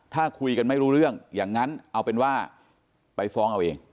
ถ้าคุยกันไม่รู้เรื่องอย่างนั้นเอาเป็นว่าไปฟ้องเอาเอง